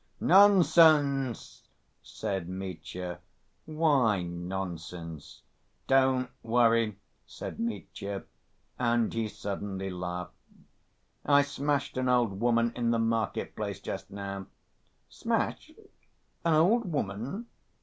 "Nonsense!" said Mitya. "Why 'nonsense'?" "Don't worry," said Mitya, and he suddenly laughed. "I smashed an old woman in the market‐place just now." "Smashed? An old woman?"